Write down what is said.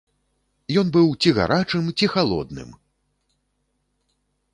Ён быў ці гарачым, ці халодным!